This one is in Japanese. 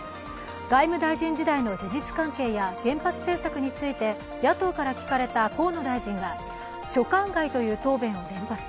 外務大臣時代の事実関係や原発政策について、野党から聞かれた河野大臣が「所管外」という答弁を連発。